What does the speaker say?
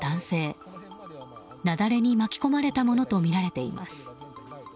雪崩に巻き込まれたものとみられています。